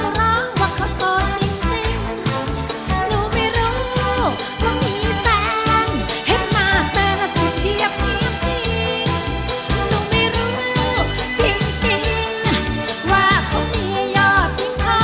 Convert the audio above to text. ขอโชคดีครับ